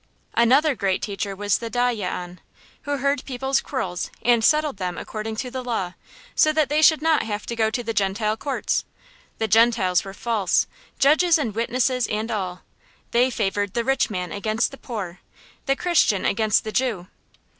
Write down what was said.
Another great teacher was the dayyan, who heard people's quarrels and settled them according to the Law, so that they should not have to go to the Gentile courts. The Gentiles were false, judges and witnesses and all. They favored the rich man against the poor, the Christian against the Jew.